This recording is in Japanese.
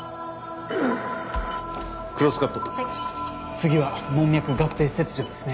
次は門脈合併切除ですね。